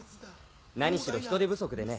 何しろ人手不足でね